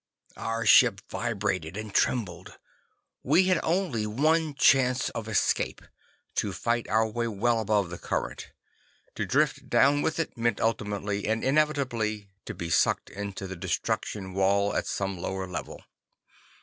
Our ship vibrated and trembled. We had only one chance of escape to fight our way well above the current. To drift down with it meant ultimately, and inevitably, to be sucked into the destruction wall at some lower level.